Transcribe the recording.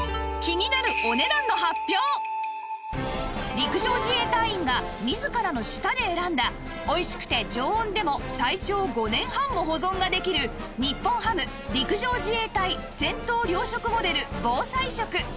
陸上自衛隊員が自らの舌で選んだおいしくて常温でも最長５年半も保存ができる日本ハム陸上自衛隊戦闘糧食モデル防災食